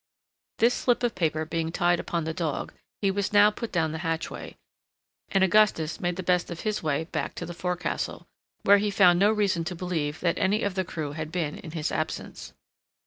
_" This slip of paper being tied upon the dog, he was now put down the hatchway, and Augustus made the best of his way back to the forecastle, where he found no reason to believe that any of the crew had been in his absence.